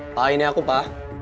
pa ini aku pa